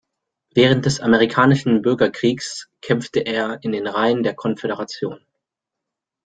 Während des Amerikanischen Bürgerkriegs kämpfte er in den Reihen der Konföderation.